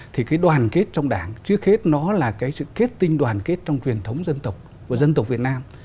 thì cái đoàn kết trong đảng trước hết nó là cái sự kết tinh đoàn kết trong truyền thống dân tộc của dân tộc việt nam